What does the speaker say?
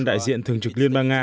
đại diện thường trực liên bang nga